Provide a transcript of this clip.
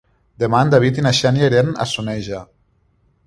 Demà en David i na Xènia iran a Soneja.